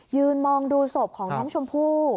ยืนมองดูศพของน้องชมพู่